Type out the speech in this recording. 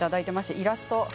イラストも。